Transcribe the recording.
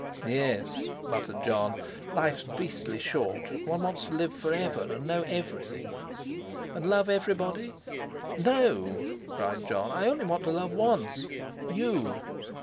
"Yes," muttered Jon, "life's beastly short. One wants to live forever, and know everything." "And love everybody?" "No," cried Jon; "I only want to love once—you."